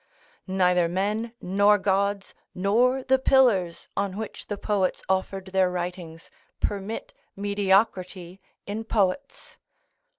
["Neither men, nor gods, nor the pillars (on which the poets offered their writings) permit mediocrity in poets."